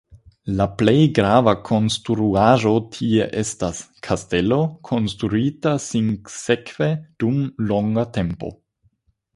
La plej grava konstruaĵo tie estas kastelo, konstruita sinsekve dum longa tempo.